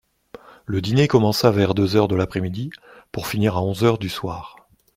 Le dîner commença vers deux heures de l'après-midi, pour finir à onze du soir.